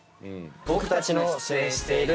僕たちの出演している。